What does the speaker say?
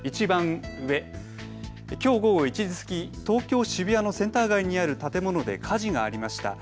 きょう午後１時過ぎ、渋谷のセンター街にある建物で火事がありました。